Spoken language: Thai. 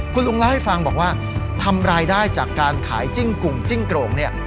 คุณลุงเล่าให้ฟังบอกว่าทำรายได้จากการขายจิ้งกุ่งจิ้งโกรงเนี่ย